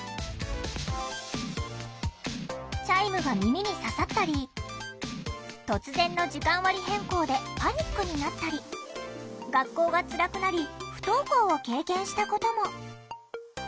チャイムが耳に刺さったり突然の時間割変更でパニックになったり学校がつらくなり不登校を経験したことも。